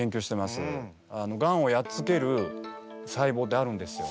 ガンをやっつける細胞ってあるんですよ。